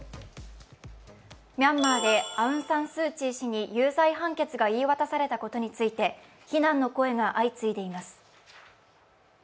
ミャンマーでアウン・サン・スー・チー氏に有罪判決が言い渡されたことについて、非難の声が相次いでいます。